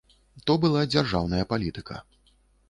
То была дзяржаўная палітыка.